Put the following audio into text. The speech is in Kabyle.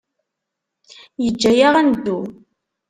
Yeǧǧa-aɣ ad neddu.